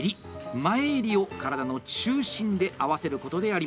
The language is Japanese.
前襟を体の中心で合わせることであります。